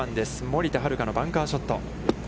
森田遥のバンカーショット。